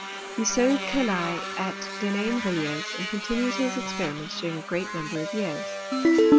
He sowed kali at Denain villiers, and continued his experiments during a great number of years.